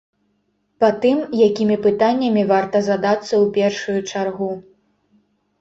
Па тым, якімі пытаннямі варта задацца ў першую чаргу.